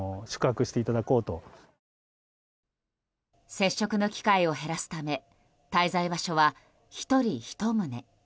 接触の機会を減らすため滞在場所は１人１棟。